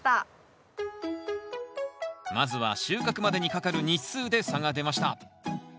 まずは収穫までにかかる日数で差が出ました